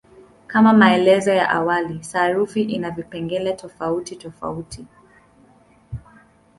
Kama maelezo ya awali, sarufi ina vipengele tofautitofauti.